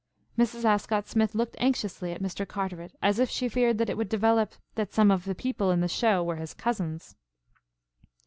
Mrs. Ascott Smith looked anxiously at Mr. Carteret, as if she feared that it would develop that some of the people in the show were his cousins.